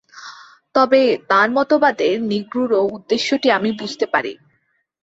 তবে তাঁর মতবাদের নিগূঢ় উদ্দেশ্যটি আমি বুঝতে পারি।